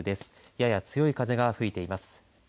やや強い風が吹いています。